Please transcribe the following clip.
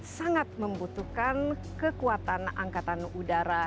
sangat membutuhkan kekuatan angkatan udara